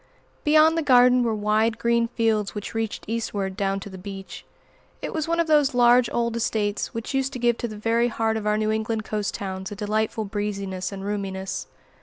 Beyond the garden were wide green fields which reached eastward down to the beach. It was one of those large old estates which used to give to the very heart of our New England coast towns a delightful breeziness and roominess.